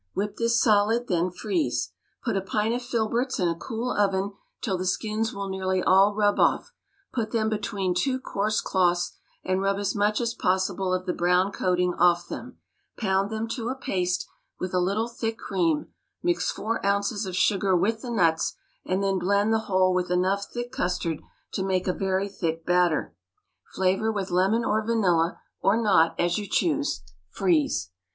Whip this solid; then freeze. Put a pint of filberts in a cool oven till the skins will nearly all rub off; put them between two coarse cloths, and rub as much as possible of the brown coating off them; pound them to a paste with a little thick cream, mix four ounces of sugar with the nuts, and then blend the whole with enough thick custard to make a very thick batter; flavor with lemon or vanilla, or not, as you choose; freeze.